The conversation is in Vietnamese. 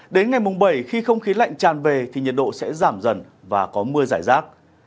đến ngày mùng bảy khi không khí lạnh tràn về thì nhiệt độ sẽ giảm dần và có mưa giải rác